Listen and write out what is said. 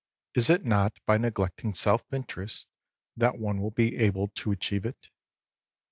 Is it not by neglecting self interest that one will be able to achieve it